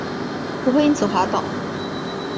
不会因此滑倒